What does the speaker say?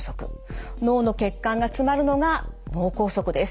脳の血管が詰まるのが脳梗塞です。